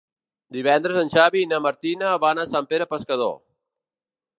Divendres en Xavi i na Martina van a Sant Pere Pescador.